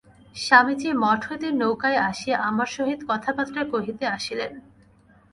স্বামীজী মঠ হইতে নৌকায় আসিয়া আমার সহিত কথাবার্তা কহিতে আসিলেন।